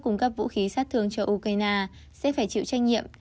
cung cấp vũ khí sát thương cho ukraine sẽ phải chịu trách nhiệm